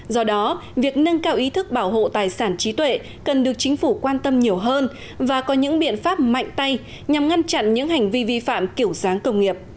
do đó việc nâng cao ý thức bảo hộ tài sản trí tuệ cần được chính phủ quan tâm nhiều hơn và có những biện pháp mạnh tay nhằm ngăn chặn những hành vi vi phạm kiểu sáng công nghiệp